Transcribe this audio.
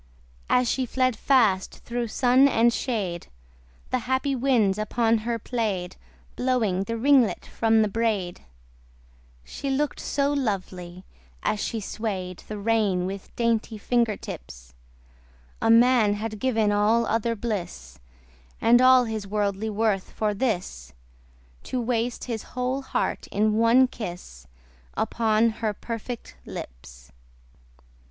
As she fled fast thro' sun and shade, The happy winds upon her play'd, Blowing the ringlet from the braid: She look'd so lovely, as she sway'd The rein with dainty finger tips, A man had given all other bliss, And all his worldly worth for this, To waste his whole heart in one kiss Upon her perfect lips.